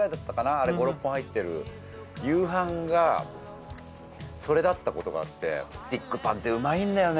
あれ５６本入ってる夕飯がそれだったことがあってスティックパンってうまいんだよね